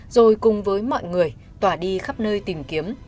rồi cùng với mọi người tỏa đi khắp nơi tìm kiếm